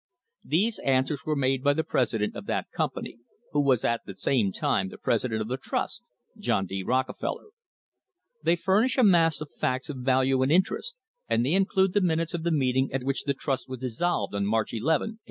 These answers were made by the president of that company, who was at the same time the president of the trust, John D. Rockefeller. They furnish a mass of facts of value and interest, and they include the minutes of the meeting at which the trust was dissolved on March 11, 1892